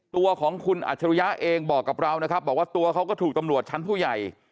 ตัวของคุณอัจฉริยะเองบอกกับเรานะครับบอกว่าตัวเขาก็ถูกตำรวจชั้นผู้ใหญ่